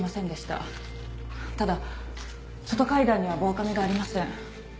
ただ外階段には防カメがありません。